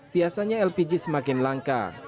biasanya lpg semakin langka